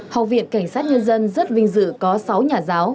học viện cảnh sát nhân dân rất vinh dự có sáu nhà giáo